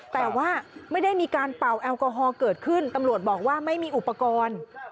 แต่ว่าไม่ได้มีการเป่าแอลกอฮอล์เกิดขึ้นตำรวจบอกว่าไม่มีอุปกรณ์